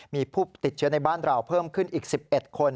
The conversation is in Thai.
มีผู้ติดเชื้อในบ้านเราเพิ่มขึ้นอีก๑๑คน